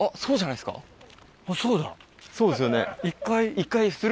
そうですよね。